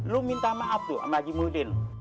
lo minta maaf tuh sama kim mungu hidin